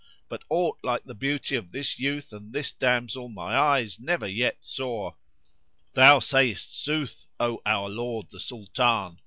But aught like the beauty of this youth and this damsel my eyes never yet saw!" "Thou sayest sooth, O our Lord the Sultan!"